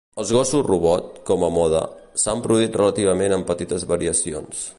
Els gossos robot, com a moda, s"han produït relativament amb petites variacions.